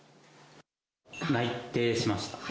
内定しました。